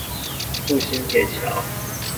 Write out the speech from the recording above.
復興鐵橋